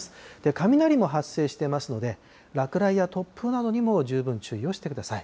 雷も発生していますので、落雷や突風などにも十分注意をしてください。